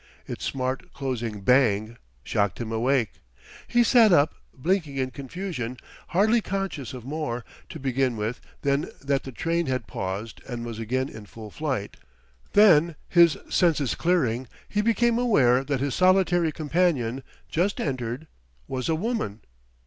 Its smart closing bang shocked him awake. He sat up, blinking in confusion, hardly conscious of more, to begin with, than that the train had paused and was again in full flight. Then, his senses clearing, he became aware that his solitary companion, just entered, was a woman.